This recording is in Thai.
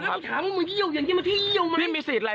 แล้วก็ถามมันเยี่ยวอย่างนี้มันเยี่ยวไหม